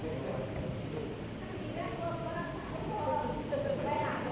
สวัสดีครับสวัสดีครับ